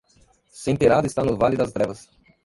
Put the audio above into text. Senterada está no Vale das Trevas.